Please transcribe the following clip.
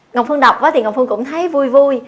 ngọc phương đọc thì ngọc phương cũng thấy vui vui